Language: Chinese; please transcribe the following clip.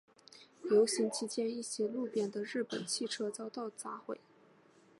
游行期间一些路边的日本汽车遭到砸毁。